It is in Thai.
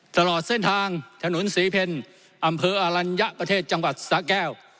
ตลอดเส้นทางถนนศรีเพลอำเภออลัญญะประเทศจังหวัดสะแก้ว